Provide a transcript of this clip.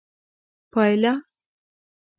پايله